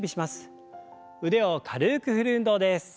腕を軽く振る運動です。